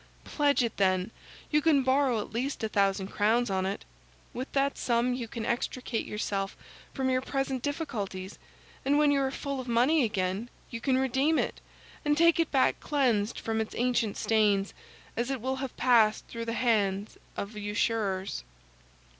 "Pledge it, then; you can borrow at least a thousand crowns on it. With that sum you can extricate yourself from your present difficulties; and when you are full of money again, you can redeem it, and take it back cleansed from its ancient stains, as it will have passed through the hands of usurers."